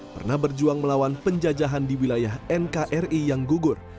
pernah berjuang melawan penjajahan di wilayah nkri yang gugur